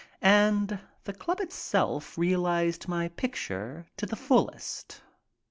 And the club itself reahzed my picture to the fullest.